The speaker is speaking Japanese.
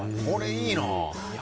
これいいな。